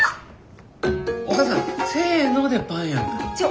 おかあさんせのでパンやんか。